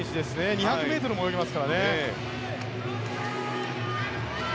２００ｍも泳ぎますから。